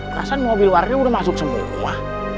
perasaan mobil warna udah masuk semua